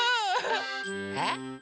えっ？